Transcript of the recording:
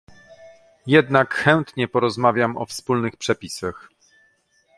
Jednak chętnie porozmawiam o wspólnych przepisach